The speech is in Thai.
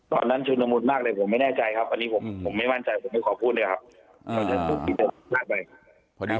ชุดละมุนมากเลยผมไม่แน่ใจครับอันนี้ผมไม่มั่นใจผมไม่ขอพูดเลยครับ